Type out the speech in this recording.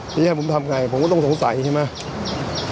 จะแยกผมทำไงผมก็ต้องสงสัยเห็นไหม